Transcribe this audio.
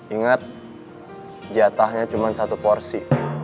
ingat jatahnya cuma satu porsi